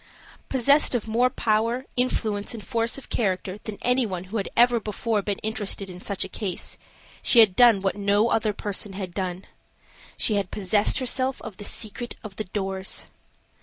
Possessed of more power, influence, and force of character than any one who had ever before been interested in such a case, she had done what no other person had done, she had possessed herself of the secret of the doors.